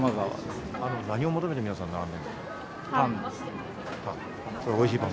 何を求めて、皆さん並んでるんですか？